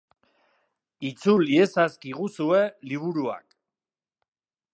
Itzul iezazkiguzue liburuak.